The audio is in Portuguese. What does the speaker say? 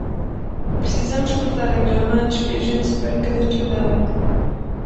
Precisamos cortar a grama antes que a gente se perca dentro dela.